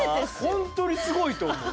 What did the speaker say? ほんとにすごいと思う。